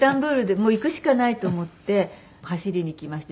もう行くしかないと思って走りに行きました。